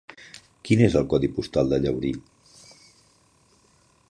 Quin és el codi postal de Llaurí?